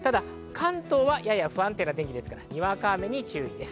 ただ、関東はやや不安定な天気ですからにわか雨に注意です。